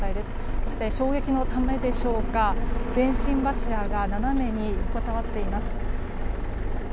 そして、衝撃のためでしょうか電信柱が斜めに横たわっています。